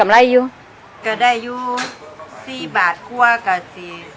ขอบคุณครับที่